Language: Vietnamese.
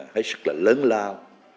hết sức là lớn lao